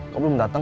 kok belum datang